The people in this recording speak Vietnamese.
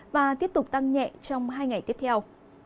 và tiếp tục tăng nhẹ trong hai ngày tiếp theo